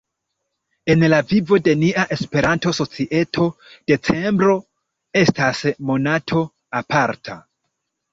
En la vivo de nia Esperanto-societo decembro estas monato aparta.